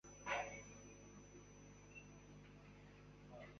毛人凤随即派北平督察王蒲臣秘密侦查。